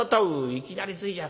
いきなりついじゃ。